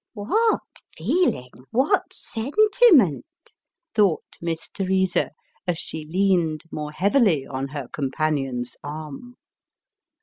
" What feeling ! what sentiment !" thought Miss Teresa, as she leaned more heavily on her companion's arm.